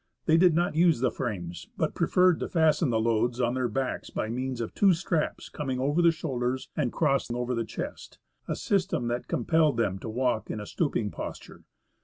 They did not use the frames, but preferred to fasten the loads on their backs by means of two straps coming over the shoulders and crossed over the chest, a system that compelled them to walk in a stooping posture.